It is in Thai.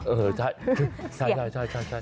เออใช่ใช่